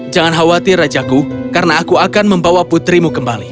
jangan khawatir rajaku karena aku akan membawa putrimu kembali